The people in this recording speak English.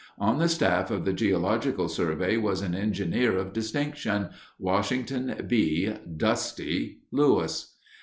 On the staff of the Geological Survey was an engineer of distinction, Washington B. ("Dusty") Lewis.